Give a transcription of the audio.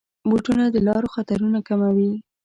بوټونه د لارو خطرونه کموي.